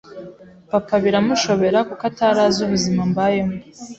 Papa birmushobera kuko atari azi ubuzima mbayemo